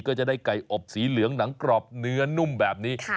ก็จะได้ไก่อบสีเหลืองหนังกรอบเนื้อนุ่มแบบนี้